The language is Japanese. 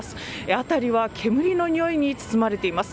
辺りは煙のにおいに包まれています。